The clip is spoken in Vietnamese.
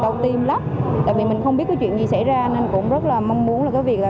rất là tìm lắm tại vì mình không biết cái chuyện gì xảy ra nên cũng rất là mong muốn là có việc là